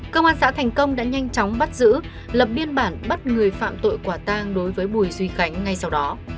công an xã thành công đã nhanh chóng bắt giữ lập biên bản bắt người phạm tội quả tang đối với bùi duy khánh ngay sau đó